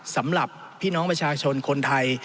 สำหรับพี่น้องประชาชนคนไทย